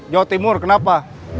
jauh timur kenapa